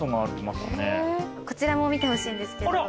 こちらも見てほしいんですけど。